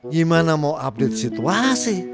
gimana mau update situasi